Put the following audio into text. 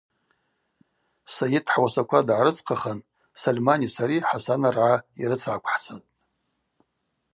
Сайыт хӏуасаква дгӏарыдзхъахан Сольмани сари Хӏасанаргӏа йрыцгӏаквхӏцатӏ.